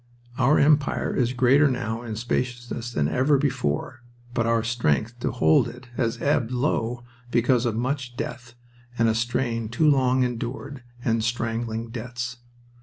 Our Empire is greater now in spaciousness than ever before, but our strength to hold it has ebbed low because of much death, and a strain too long endured, and strangling debts.